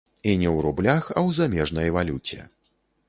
І не ў рублях, а ў замежнай валюце.